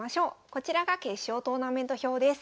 こちらが決勝トーナメント表です。